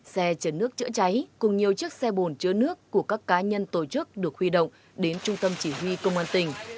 xe chấn nước chữa cháy cùng nhiều chiếc xe bồn chữa nước của các cá nhân tổ chức được huy động đến trung tâm chỉ huy công an tỉnh